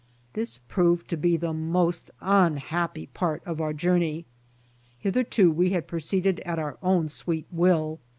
This proved to be the most unhappy part of our journey. Hitherto we had proceeded at our own sweet will.